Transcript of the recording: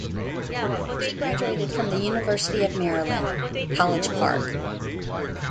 She graduated from the University of Maryland College Park.